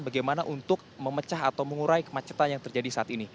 bagaimana untuk memecah atau mengurai kemacetan yang terjadi saat ini